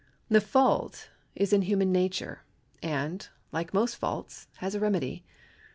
The fault is in human nature, and, like most faults, has a remedy.